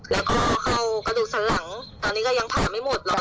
แล้วก็เข้ากระดูกสันหลังตอนนี้ก็ยังผ่าไม่หมดเลย